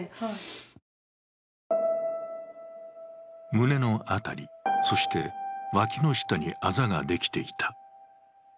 胸の辺り、そして脇の下にあざができていた。